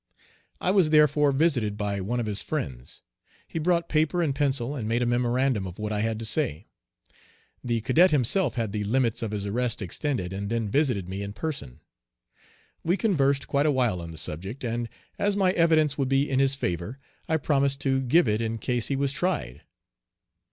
I was therefore visited by one of his friends. He brought paper and pencil and made a memorandum of what I had to say. The cadet himself had the limits of his arrest extended and then visited me in person. We conversed quite a while on the subject, and, as my evidence would be in his favor, I promised to give it in case he was tried.